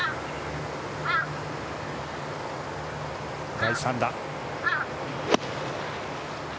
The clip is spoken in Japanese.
第３打。